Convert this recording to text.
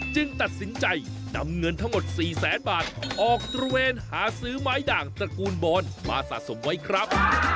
ตัดสินใจนำเงินทั้งหมด๔แสนบาทออกตระเวนหาซื้อไม้ด่างตระกูลบอลมาสะสมไว้ครับ